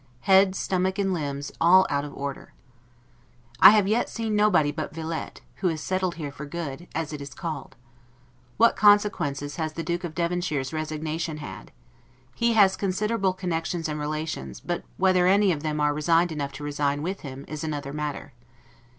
Head, stomach, and limbs, all out of order. I have yet seen nobody but Villettes, who is settled here for good, as it is called. What consequences has the Duke of Devonshire's resignation had? He has considerable connections and relations; but whether any of them are resigned enough to resign with him, is another matter.